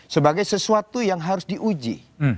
sebagai sesuatu yang harus diuji